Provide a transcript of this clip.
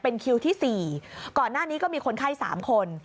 เป็นคิวที่๔ก่อนหน้านี้ก็มีคนไข้๓คน